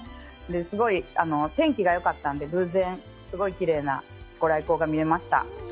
すごい天気がよかったんで、偶然すごいきれいなご来光が見れました。